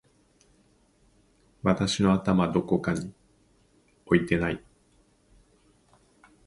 私の頭どこかに置いてない？！